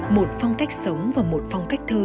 một phong cách sống và một phong cách thơ